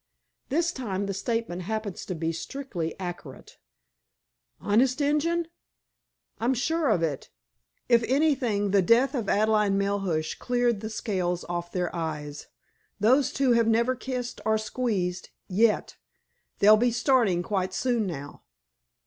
"This time the statement happens to be strictly accurate." "Honest Injun?" "I'm sure of it. If anything, the death of Adelaide Melhuish cleared the scales off their eyes. Those two have never kissed or squeezed—yet. They'll be starting quite soon now."